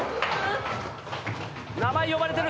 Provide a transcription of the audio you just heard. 名前呼ばれてる！